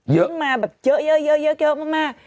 ขึ้นมาแบบเยอะมาก